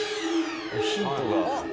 ヒントが。